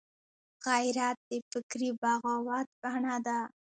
غیرت د فکري بغاوت بڼه ده